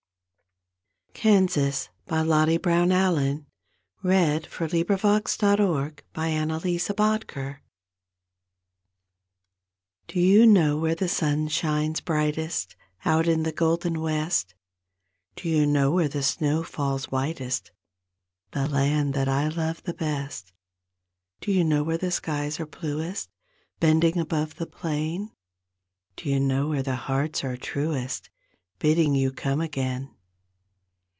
Peace and good will to His children" Rings the echo from the sky. 45 KANSAS Do you know where the sun shines brightest Out in the golden west; Do you know where the snow falls whitest The land that I love the best; Do you know where the skies are bluest Bending above the plain; Do you know where the hearts are truest Bidding you come again